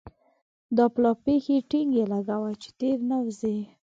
دا پلا پښې ټينګې لګوه چې تېر نه وزې.